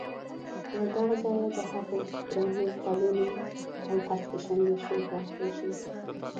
له دغه ځایه د هغو درنو پلونو او هسکې شملې شور راخېژي.